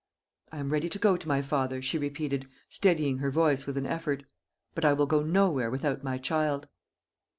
"I am ready to go to my father," she repeated, steadying her voice with an effort; "but I will go nowhere without my child."